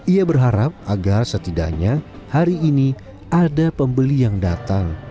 ia berharap agar setidaknya hari ini ada pembeli yang datang